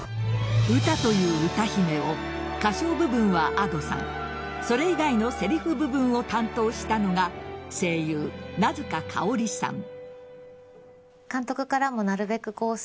ウタという歌姫を歌唱部分はＡｄｏさんそれ以外のせりふ部分を担当したのが声優・名塚佳織さん。